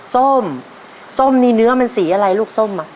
ส้มส้มนี่เนื้อมันสีอะไรลูกส้มอ่ะ